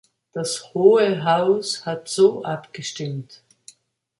Das Hohe Haus hat so abgestimmt.